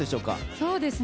そうですね。